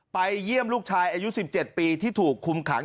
เยี่ยมลูกชายอายุ๑๗ปีที่ถูกคุมขัง